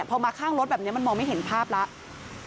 พอมาข้างรถแบบนี้มันมองไม่เห็นภาพแล้ว